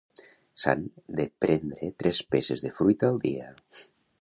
S'han de prendre tres peces de fruita al dia.